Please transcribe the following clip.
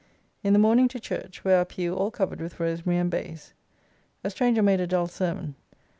In the morning to Church, where our pew all covered with rosemary and baize. A stranger made a dull sermon.